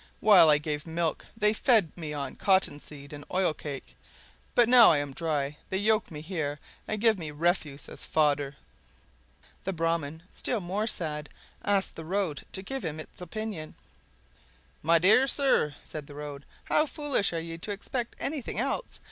While I gave milk they fed me on cottonseed and oil cake, but now I am dry they yoke me here, and give me refuse as fodder!" The Brahman, still more sad, asked the Road to give him its opinion. "My dear sir," said the Road, "how foolish you are to expect anything else!